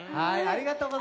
ありがとう。